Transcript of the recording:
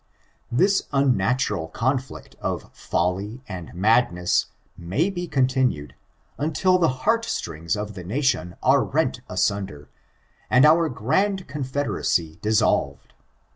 This unnatural conflict of follj and madness may be continued, until the heart strings of the nation are rent assunder, and our grand confederacy dissolved.